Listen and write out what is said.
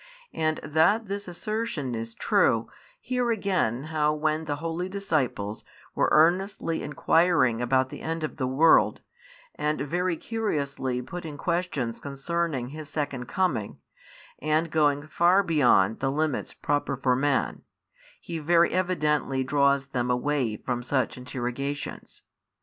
And that this assertion is true, hear again how when the holy disciples were earnestly inquiring about the end of the world, and very curiously putting questions concerning His second coming, and going far beyond the limits proper for man, He very evidently draws them away from such interrogations.